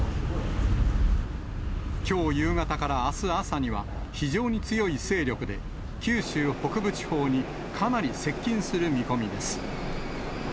きょう夕方からあす朝には、非常に強い勢力で、九州北部地方にかなり接近する見込みです。